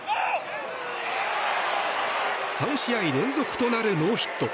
３試合連続となるノーヒット。